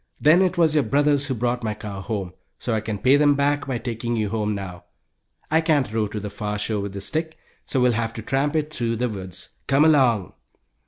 Then it was your brothers who brought my cow home, so I can pay them back by taking you home now. I can't row to the far shore with this stick, so we'll have to tramp it through the woods. Come along."